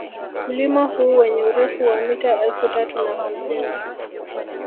Mlima huu wenye urefu wa mita elfu tatu na hamsini